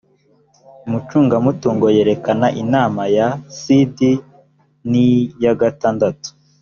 umucungamutungo yereka inama ya cd n iya gatandatu